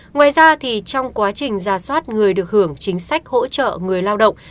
ngoài ra trong quá trình ra soát người được hưởng chính sách hỗ trợ người lao động